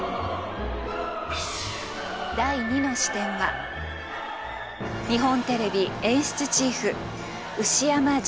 第２の視点は日本テレビ演出チーフ